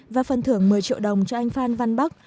và phần thưởng một mươi triệu đồng cho anh phan văn bắc